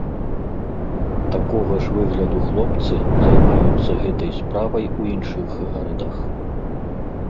Такога ж выгляду хлопцы займаюцца гэтай справай у іншых гарадах.